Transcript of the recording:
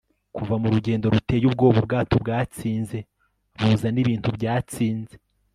Kuva murugendo ruteye ubwoba ubwato bwatsinze buza nibintu byatsinze